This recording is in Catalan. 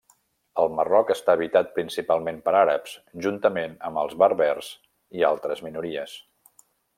El Marroc està habitat principalment per àrabs, juntament amb els berbers i altres minories.